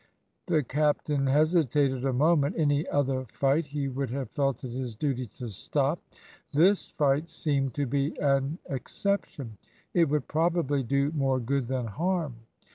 The captain hesitated a moment. Any other fight he would have felt it his duty to stop. This fight seemed to be an exception. It would probably do more good than harm.